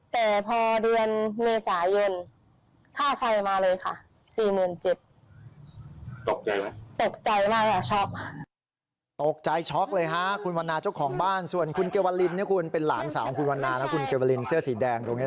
แต่พอเดือนเมษายุ่นค่าใจมาเลยค่ะ๔๐๐๐จิต